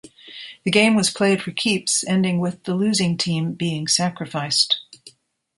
The game was 'played for keeps' ending with the losing team being sacrificed.